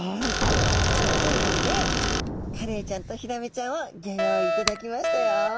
というわけでカレイちゃんとヒラメちゃんをギョ用意いただきましたよ。